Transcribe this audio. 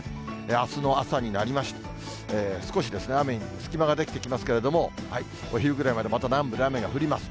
あすの朝になりまして、少し雨になる、隙間が出てきますけれども、お昼ぐらいまで、また南部で雨が降ります。